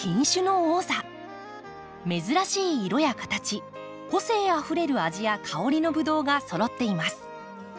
珍しい色や形個性あふれる味や香りのブドウがそろっています。